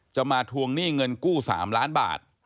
มาทวงหนี้เงินกู้๓ล้านบาท